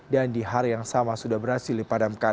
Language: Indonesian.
dan di hari yang sama sudah berhasil dipadamkan